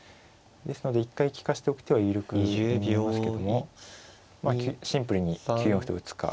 ですので一回利かしておく手は有力に見えますけどもシンプルに９四歩と打つか。